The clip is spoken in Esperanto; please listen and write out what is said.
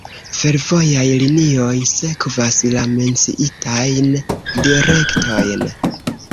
Fervojaj linioj sekvas la menciitajn direktojn.